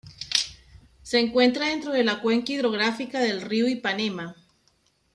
Se encuentra dentro de la cuenca hidrográfica del río Ipanema.